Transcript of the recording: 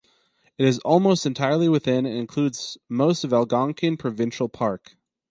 It is almost entirely within and includes most of Algonquin Provincial Park.